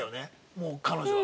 もう彼女は。